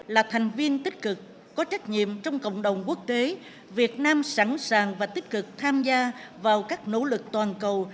là thành viên tích cực có trách nhiệm trong cộng đồng quốc tế việt nam sẵn sàng và tích cực tham gia vào các nỗ lực toàn cầu